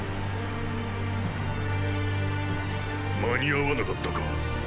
間に合わなかったか？